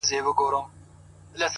د ژوند ښکلا په مانا کې ده’